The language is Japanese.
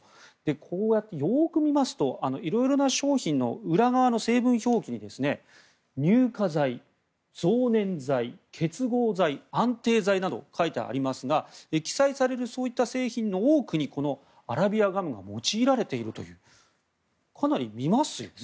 こうやってよく見ますと色々な商品の裏側の成分表示に乳化剤、増粘剤、結合剤安定剤などと書いてありますが記載されるそういった製品の多くにアラビアガムが用いられているというかなり見ますよね。